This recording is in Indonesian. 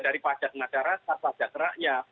dari pajak masyarakat pajak rakyat